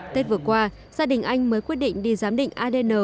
tết vừa qua gia đình anh mới quyết định đi giám định adn